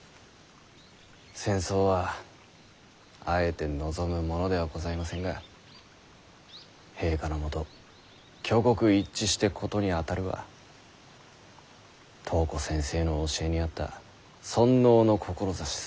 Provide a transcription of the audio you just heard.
戦争はあえて望むものではございませんが陛下のもと挙国一致して事に当たるは東湖先生の教えにあった尊王の志そのもの。